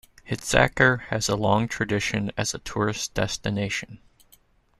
Hitzacker has a long tradition as a tourist destination.